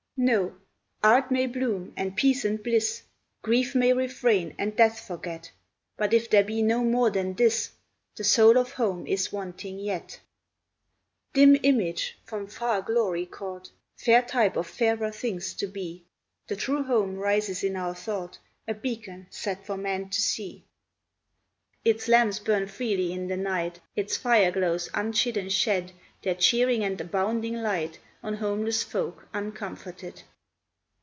No. Art may bloom, and peace and bliss; Grief may refrain and Death forget; But if there be no more than this, The soul of home is wanting yet. Dim image from far glory caught, Fair type of fairer things to be, The true home rises in our thought, A beacon set for men to see. Its lamps burn freely in the night, Its fire glows unchidden shed Their cheering and abounding light On homeless folk uncomforted.